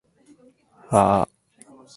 ふぁあ